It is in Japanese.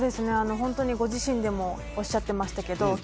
本当にご自身でもおっしゃっていましたけど